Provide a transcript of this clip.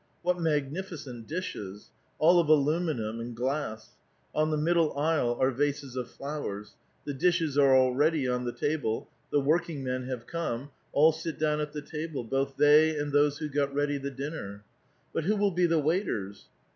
What magnificent dishes ! All of aluminum and glass. On the middle aisle are vases of flowers. The dishes are already on the table ; the workingmen have come ; all sit down at the table, both they and those who got ready the dinner. But who will be the waiters?